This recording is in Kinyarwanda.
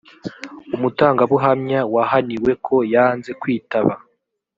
umutangabuhamya wahaniwe ko yanze kwitaba